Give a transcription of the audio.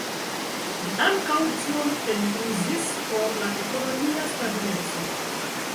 Li ankaŭ tion eluzis por la ekonomia stabileco.